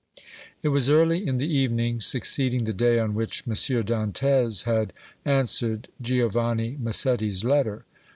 It was early in the evening succeeding the day on which M. Dantès had answered Giovanni Massetti's letter.